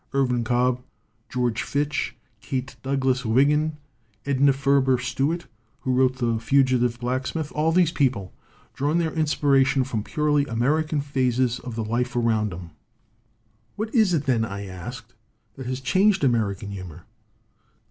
Irvin Cobb, George Fitch, Kate Douglas Wiggin, Edna Ferber Stewart, who wrote The Fugitive Blacksmith all these people draw their inspiration from purely American phases of the life around them." "What is it, then," I asked, "that has changed American humor?"